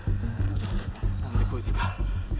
なんでこいつが。